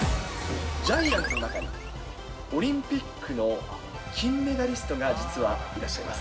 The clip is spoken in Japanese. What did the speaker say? ジャイアンツの中に、オリンピックの金メダリストが実はいらっしゃいます。